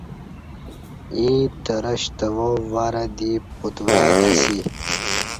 ییں ترہ شتوا ورں دی پتوای اسی